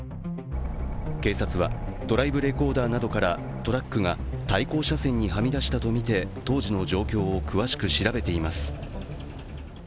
警察はドライブレコーダーなどからトラックが対向車線にはみ出したとみて当時の状況を詳しく調べています。